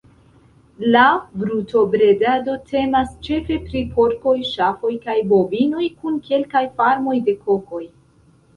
La brutobredado temas ĉefe pri porkoj, ŝafoj kaj bovinoj, kun kelkaj farmoj de kokoj.